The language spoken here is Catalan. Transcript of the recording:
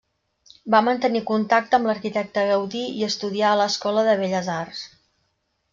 Va mantenir contacte amb l'arquitecte Gaudí i estudià a l'escola de Belles Arts.